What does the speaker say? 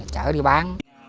chở đi bán